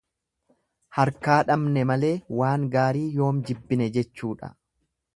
Harkaa dhabne malee waan gaarii yoom jibbine jechuudha.